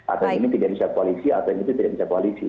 atau ini tidak bisa koalisi atau yang itu tidak bisa koalisi